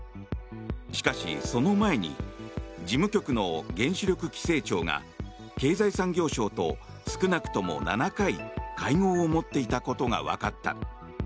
しかし、その前に事務局の原子力規制庁が経済産業省と少なくとも７回会合を持っていたことがわかった。